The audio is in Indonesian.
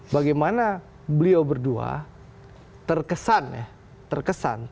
bagaimana beliau berdua terkesan